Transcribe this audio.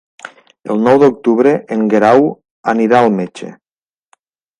El nou d'octubre en Guerau anirà al metge.